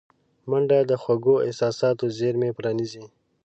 منډه د خوږو احساساتو زېرمې پرانیزي